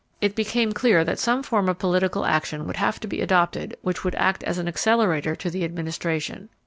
It became clear that some form of political action would have to be adopted which would act as an accelerator to the Administration.